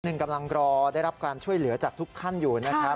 กำลังรอได้รับการช่วยเหลือจากทุกท่านอยู่นะครับ